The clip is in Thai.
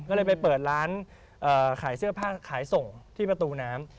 ก็เลยไปเปิดร้านขายเสื้อผ้าขายส่งที่ประตูน้ำ